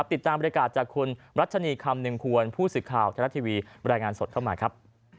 ติดตามบริการจากคุณรัชนีครรภ์นึงควรผู้ศึกข่าวแทนลักษณ์ทีวีบรรยายงานสดเข้ามาครับ